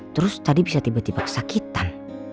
terus tadi bisa tiba tiba kesakitan